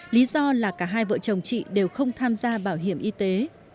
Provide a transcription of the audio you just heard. lý do là cả hai vợ chồng chị đều không tham gia bảo hiểm y tế